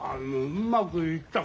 うまくいったか？